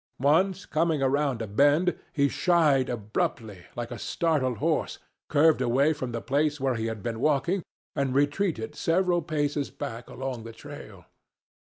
Once, coming around a bend, he shied abruptly, like a startled horse, curved away from the place where he had been walking, and retreated several paces back along the trail.